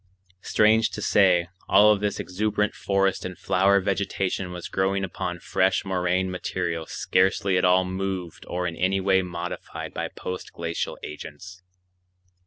Strange to say, all of this exuberant forest and flower vegetation was growing upon fresh moraine material scarcely at all moved or in any way modified by post glacial agents.